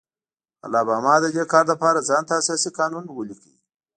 الاباما د دې کار لپاره ځان ته اساسي قانون ولیکه.